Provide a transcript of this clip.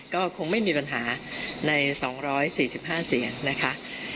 ก็คงไม่มีปัญหาใน๒๔๕เสียงนะคะ